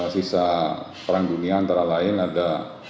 sisa perang dunia antara lain ada